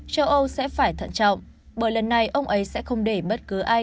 châu âu sẽ phải thận trọng bởi lần này ông ấy sẽ không để bất cứ ai